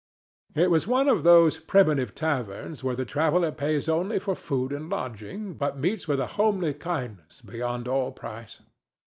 It was one of those primitive taverns where the traveller pays only for food and lodging, but meets with a homely kindness beyond all price.